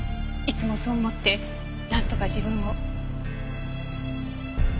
いつもそう思ってなんとか自分を。